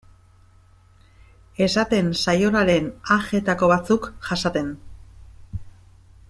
Esaten zaionaren ajeetako batzuk jasaten.